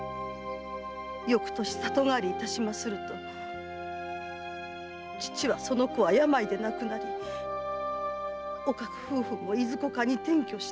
翌年里帰りいたしますると父は「その子は病で亡くなりおかく夫婦もいずこかに転居した。